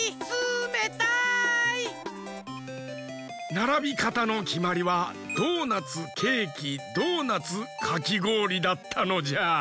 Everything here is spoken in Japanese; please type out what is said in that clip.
ならびかたのきまりはドーナツケーキドーナツかきごおりだったのじゃ。